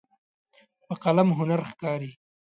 په قلم هنر ښکاري.